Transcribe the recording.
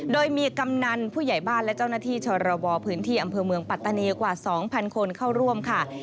โดยมีกำนันผู้ใหญ่บ้านและเจ้าหน้าที่ชรบพื้นที่อำเภอเมืองปัตตานีกว่า๒๐๐คนเข้าร่วมค่ะ